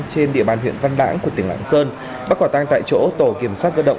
trên địa bàn huyện văn lãng của tỉnh lạng sơn bắt quả tang tại chỗ tổ kiểm soát cơ động